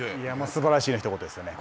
すばらしいのひと言ですね。